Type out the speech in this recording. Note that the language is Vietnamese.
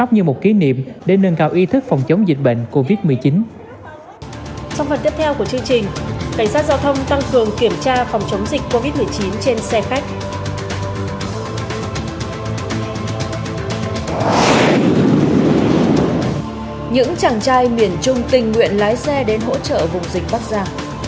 những chàng trai miền trung tình nguyện lái xe đến hỗ trợ vùng dịch bắt giả